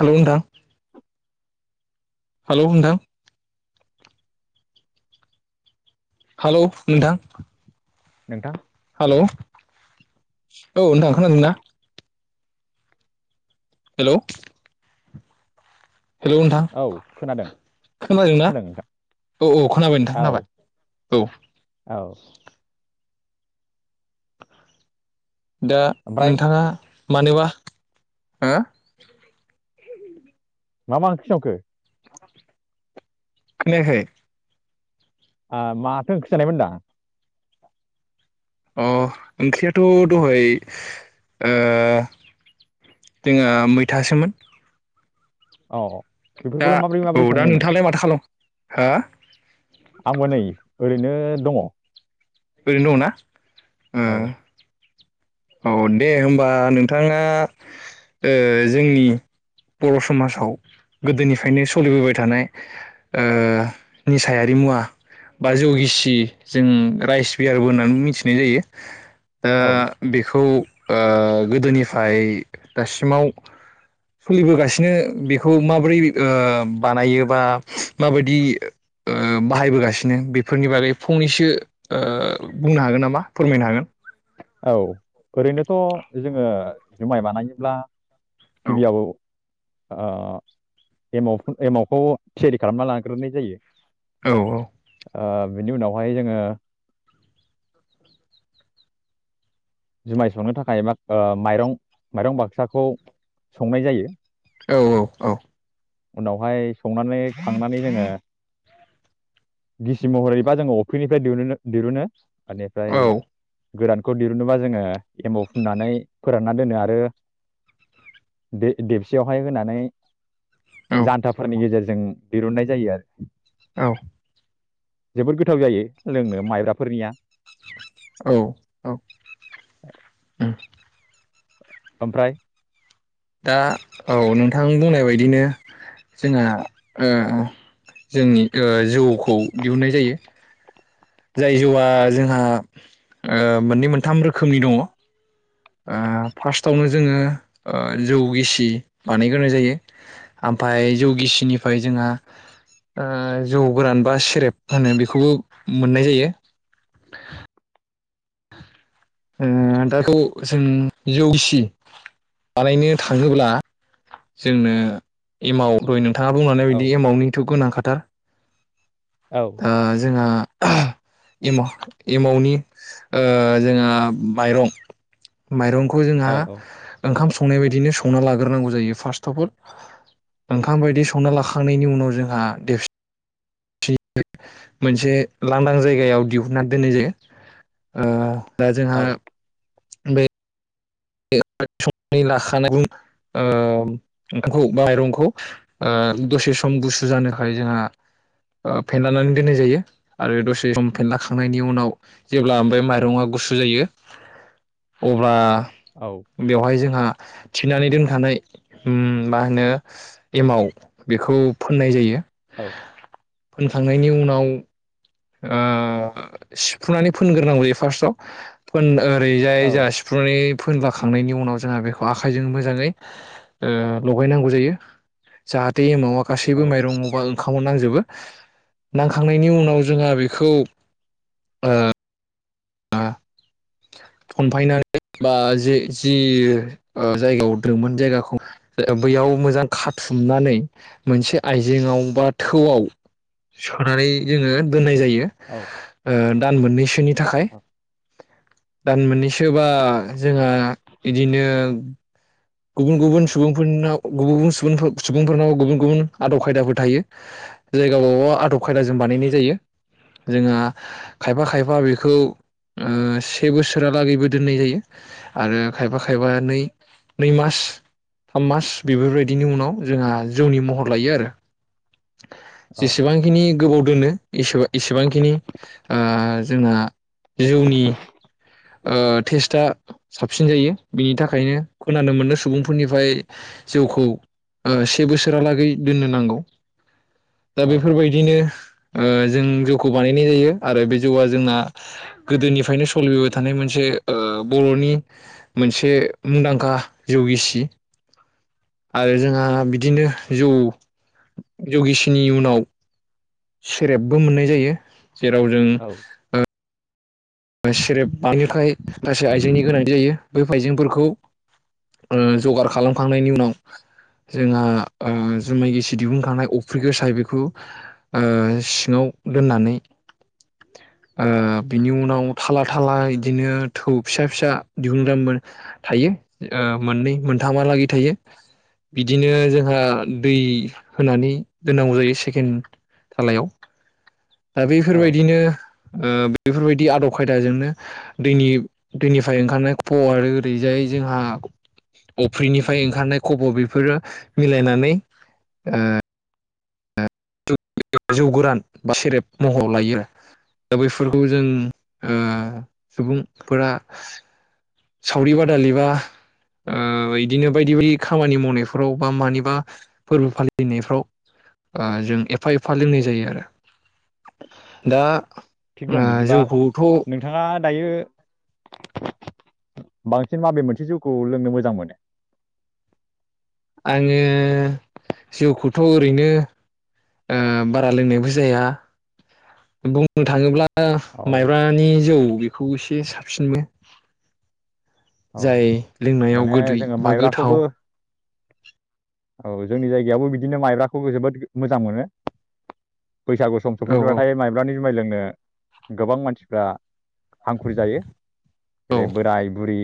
Hello नोंथां hello नोंथां hello नोंथां नोंथां हेलौ औ नोंथां खादोंना? हेलौ हेलौ नोंथां औ खोनादों खोनादोंना? खोनादों नोंथां औ औ खोनाबाय नोंथां औ खोनाबाय औ औ दा ओमफ्राय नोंथाङा मानोबा हो मा मा ओंख्रि संखो? खोनायाखै माथो ओंख्रि जानायमोन होनदां। अ ओंख्रियाथ' दहाय ओ जोंहा मैथासोमोन। औ दा बेफोरखौलाय माबोरै औ माबोरै दा संनायमोन नोंथाङालाय माथो खालाम हा आंबो नै ओरैनो दङ ओरैनो दङ ना? औ औ दे होमबा नोंथाङा ओ जोंनि बर' समाजाव गोदोनिफ्रायनो सलिबोबाय थानाय ओ निसायारि मुवा बा जौगिसि जों राइस बियारबो होननानै मिथिनाय जायो। दा औ बेखौ ओ गोदोनिफ्राय दासिमाव सलिबोगासिनो बेखौ माबोरै ओ बानायो बा माबायदि ओ बाहायबोगासिनो बेफोरनि बागै फंनैसो ओ बुंनो हागोन नामा? फोरमायनो हागोन। औ ओरैनोथ' जोङो जुमाय बानायोब्ला गिबियाव ओ एमाव-एमावखौ थियारि खालामना लाग्रोनाय जायो। औ ओ बेनि उनावहाय जोङो जुमाय संनो थाखाय माब ओ माइरं-माइरं बाक्साखौ संनाय जायो। औ औ औ उनावहाय संनानै खांनानै जोङो गिसि महरैबा जोङो अफ्रिनिफ्राय दिहुननो दिहुनो। एनिफ्राय औ गोरानखौ दिहुननो बा जो जोङो एमाव फुननानै फोरानना दोनो आरो दे-देबसियावहाय होनानै जान्थाफोरनि गेजेरजों दिरुननाय जायो आ औ जोबोद गोथाव जायो लोंनो माइब्राफोरनिया। औ औ उम ओमफ्राय दा औ नोंथां बुंनाय बायदिनो जोंहा ओ जोंनि ओ जौखौ दिहुननाय जायो। जाय जौआ जोंहा ओ मोननै मोनथाम रोखोमनि दङ। ओ फार्स्टआवनो जोङो ओ जौ गिसि बानायग्रोनाय जायो। आमफाय जौ गिसिनिफ्राय जोंहा ओ जौ गोरान बा सेरेप होनो बेखौबो मोननाय जायो। ओ दा खौ जों जौ गिसि बानायनो थाङोब्ला जोंनो एमाव दहाय नों थाङा बुंलांनाय औ बायदि एमावनिथ' गोनांखा। था। औ दा जोंहा ओहो एमा-एमावनि ओ जोंहा माइरं माइरंख खौ जोंहा औ औ ओंखाम सं संनाय बायदिनो संना लाग्रोनांगौ जायो फार्स्ट अफ अल ओंखाम बायदि संना लाखांनायनि उनाव जोंहा देबसि [unintelligible] मोनसे लांदां जायगायाव दिहुनना दोननाय जायो। ओ दा जोंहा औ [unintelligible] संनानै लाखानाय बुं ओ ओंखामखौ बा माइरंखौ ओ दसे सम गुसु जानो थाखाय जोंहा ओ फेनलानानै दोननाय जायो आरो दसे सम फेनलाखांनायनि उनाव जेब्ला ओमफ्राय माइरङा गुसु जायो अब्ला बेवहाय जोंहा थिनानै दोनखानाय उम मा होनो एमाव बेखौ फोननाय जायो। औ। फोनखांनायनि उनाव ओ सिफ्रुनानै फोनगोरनांगौ जायो फार्स्टआव फोनन ओरैजाय औ जाहा सिफ्रुनानै फोनलाखांनायनि उनाव जोंहा बेखौ आखाइजों मोजाङै ओ लगायनांगौ जायो। जाहाथ दै एमावा औ गासैबो माइरं मबा खाव नांजोबो नांखांनायनि उनाव जोंहा बेखौ ओ ओ थनफायनानै बा जे जि जायगायाव दोमोन जायगाखौ बैयाव मोजां खाथुमनानै मोनसे आइजेेंआव बा थौआव सोनानै जोङो दोननाय जायो यो ओ दान मोननैसोनि थाखाय [inaudible] दान मोननैसोबा जोंहा इदिनो गुबुन गुबुन सुबुंफोरनाव गुबुन गुबुन सुबुंफोरनाव गुबुन गुबुन आदब खायदाफोर थायो जायगाबाव आदब खायदाजों बानायनाय जायो जोंहा खायफा खायफा बेखौ ओ से बोसोरालागैबो दोननाय जायो आरो खायफा खायफा नै नै मास थाम मास बेफोरबायदिनि उनाव जोंहा जौनि महर लायो आरो जेसेबांखिनि गोबाव दोनोब एसेबांखिनि ओ जोंहा जौनि ओ टेस्टआ साबसिन जायो बिनि थाखायनो खोनानो मोनो सुबुंफोरनिफ्राय जौखौ ओ से बोसोरालागै दोननो नांगौ दा औ बेफोरबायदिनो ओ जों जौखौ बानायनाय जायो आरो बे जौआ जोंना गोदोनिफ्रायनो सोलिबोबाय थानाय मोनसे ओ बर'नि मोनसे मुंदांखा जौ गिसि आरो जोंहा बिदिनो जौ जौगिसिनि उनाव सेरेबबो मोननाय जायो। जेराव जों औ सेरेब बानायनो थाखाय गाससे आइजेंनि गोनांथि जायो बै आइजेंफोरखौ ओ जगार खालामखांनायनि उनाव जोंहा ओ जुमाय गिसि दिहुनखांनाय अफ्रि गो साय बेखौ ओ सिङाव दोननानै बिनि उनाव थाला थाला बिदिनो थौ फिसा फिसा दिहुनगाम थायो ओ मोननै मोनथामहालागै थायो बिदिनो जोंहा दै होनानै दोननांगौ जायो सेकेड थालायाव। ओ बेफोरबायदिनो ओ बेफोरबायदि आदब खायदाजोंनो दैनि दैनिफ्राय ओंखारनाय खब आरो ओरैजाय जोंहा अफ्रिनिफ्राय ओंखारनाय खब बेफोरो मिलायनानै ओ जौ गोरान बा सेरेब महर लायो दा बैफोरखौ जों ओ औ सुबुं फोरा सावरि बादालि बा ओ बिदिनो बायदि बायदि खामानि मावनायफ्राव बा मानिबा फोरबो फालिनायफ्राव जों एफा एफा लोंनाय जायो आरो दा थिग ओ दं बिदिबा जौखौथ' नोंथाङा दायो बांसिन माबे मोनसे जौखौ लोंनो मोजां मोनो आङो जौखौथ ओरैनो बारा लोंनायबो जाया बुंनो थाङोब्ला आ औ माइब्रानि जौ बे खौ एसे साबसिनबो औ जाय लोंनायाव माने गोदै जोङो बा गोथाव माइब्राखौबो औ जोंनि जायगायावबो बिदिनो माइब्राखौ जोबोद मोजां मोनो बैसागु सम औ सफैब्लाथाय मायब्रानि जुमाय लोंनो गोबां मानसिफ्रा हांखुर जायो जेरै औ बोराय बुरि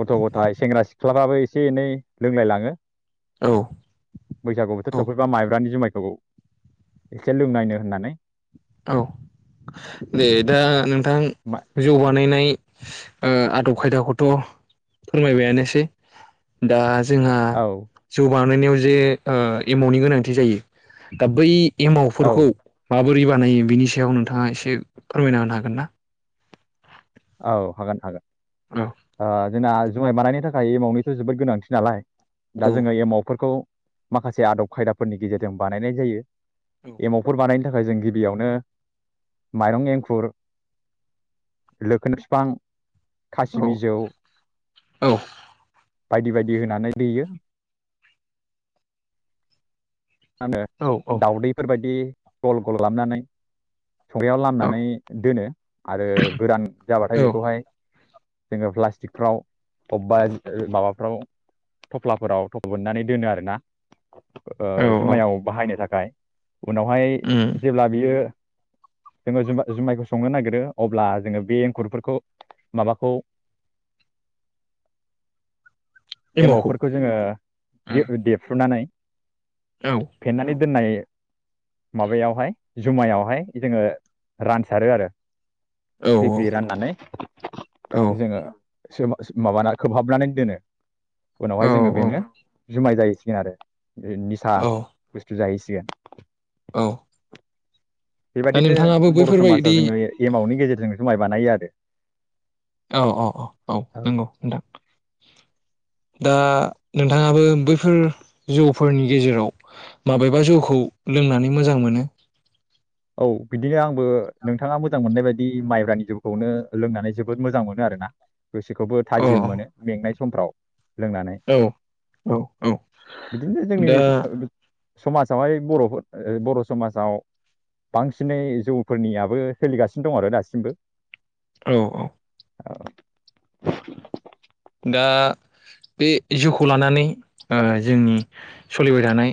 गथ गथाय सेंग्रा सिख्लाबो एसे एनै लोंलायलाङो औ बैसागु बोथोर औ सफैबा माइब्रानि जुमाय औ एसे लोंनायनो होननानै औ दे दा नोंथां मा जौ बानायनाय आदब खायदाखौथ फोरमायबायानोसै दा जोंहा औ जौआ बानायनायाव जे एमावनि गोनांथि जायो दा बै औ एमावफोरखौ माबोर ब्रै बानायो बिनि सायाव नोंथाङा एसे फोरमायना होनो हागोन ना औ हागोन हागोन औ आ जोंना जुमाय मानायनि थाखाय एमावनिथ जोबोद गोनांथि नालाय दा औ जोङो एमावफोरखौ माखासे आदब खायदाफोरनि गेजेरजों बानायनाय जायो औ एमावफोर बानायनो नि थाखाय जों गिबियावनो माइरं एंखुर लोखोन बिफां खासि औ बिजौ औ बायदि बायदि होनानै देयो मा होनो औ दाउदैफोरबायदि गल गल खालामनानै संग्रायाव लामनानै दोनो आरो गोरान जाबाथाय औ बेखौहाय जोङो प्लास्टिकफ्राव बबेबा माबाफ्राव थफ्लाफोराव थफ' बोननानै दोनो आरोना औ ओ औ जुमायाव बाहायनो थाखाय उनावहाय उम जेब्ला बियो जोङो जुमाय जुमायखौ संनो नागिरो अब्ला जोङो बे एंखुरफोरखौ माबाखौ एमावखौ एमावफोरखौ जोङो औ देफ्रुनानै औ फेन्नानै दोननाय माबायावहाय जुमायावहाय जोङो रानसारो आरो औ फ्रि फ्रि राननानै औ जोङो सोहाब माबा खोबहाबनानै दोनो उनावहाय जोङो औ बेनो जुमाय जाहैसिगोन आरो निसा औ जाहैसिगोन औ दा बेबायदिनो नोंथाङाबो बर' समाजाव बैफोरबायदि जोङो एमावनि गेजे जों जुमाय बानायो आरो औ औ औ औ नंगौ नोंथां दा नोंथाङाबो बैफोर जौफोरनि गेजेराव माबेबा जौखौ लोंनानै मोजां मोनो। औ बिदिनो आंबो नोंथाङा मोजां मोननाय बायदि माइब्रानि जौखौनो लोंनानै जोबोद मोजां मोनो आरो ना। गोसोखौबो अ थाजिम मोनो मेंनाय समफ्राव लोंनानै औ औ औ बिदिनो दा जोंनि [unintelligible] समाजावहाय बर'फोर बर' समाजाव बांसिनै जौफोरनियाबो सोलिगासिनो दं आरो दासिमबो। औ औ दा बे जिउखौ लानानै ओ जोंनि सलिबाय थानाय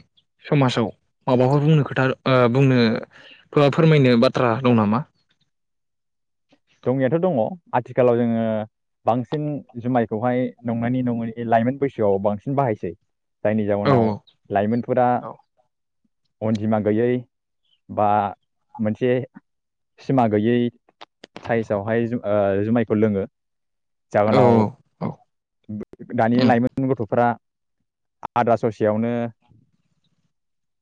समाजाव माबाफोर बुंनो खोथा बुंनो बा फोरमायनो बाथ्रा दं नामा? दंनायाथ' दङ'। आथिखालाव जोङो बांसिन जुमायखौहाय नंनायनि नङैनि लाइमोन बैसोआव बांसिन बाहायसै। जायनि औ जाउनाव लाइमोनफोरा औ अनजिमा गैयै बा मोनसे सिमा गैयै साइसावहाय ओ जुमायखौ लोङो। औ जाहोनाव औ दानि लाइमोन गथ'फ्रा आद्रा ससेयावनो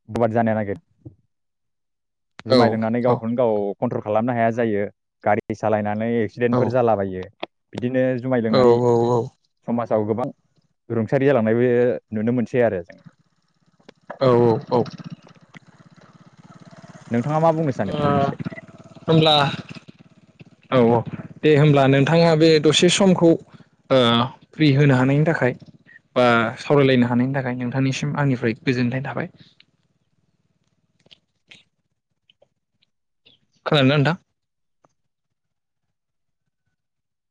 [inaudible] जानाया लागै। औ जुमाय लोंनानै गावखौनो गाव कन्ट्रल खालामनो हाया जायो। गारि सालायना नै औ एक्सिडेन्टफोर जालाबायो। बिदिनो जुमाय लोंनानै औ समाज आव गोबां रुंसारि जालांनायबो नुनो मोनसै आरो औ औ औ। नोंथाङा मा बुंनो सानो अ बेनि होमब्ला औ औ दे होमब्ला नोंथाङा बे दसे समखौ ओ फ्रि होनो हानायनि थाखाय बा सावरायलायनो हानायनि थाखाय नोंथांनिसिम आंनिफ्राय गोजोननाय थाबाय। खोनादो ना नोंथां?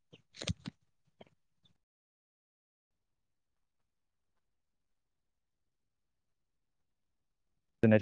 [inaudible] सायाव